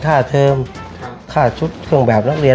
คุณพ่อมีลูกทั้งหมด๑๐ปี